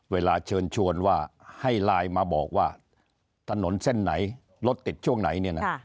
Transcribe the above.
เวลาเชิญชวนว่าให้ไลน์มาบอกว่าถนนเส้นไหนรถติดช่วงไหนเนี่ยนะ